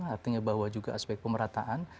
artinya bahwa juga aspek pemerataan